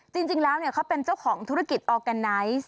จริงแล้วเขาเป็นเจ้าของธุรกิจออร์แกนไนซ์